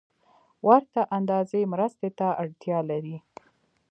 ورته اندازې مرستې ته اړتیا لري